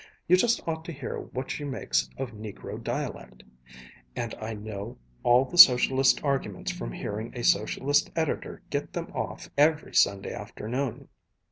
You just ought to hear what she makes of negro dialect! And I know all the socialist arguments from hearing a socialist editor get them off every Sunday afternoon.